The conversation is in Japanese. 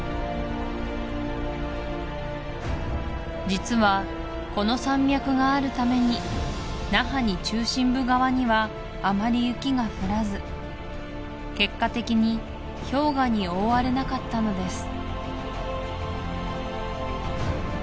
実はこの山脈があるためにナハニ中心部側にはあまり雪が降らず結果的に氷河に覆われなかったのです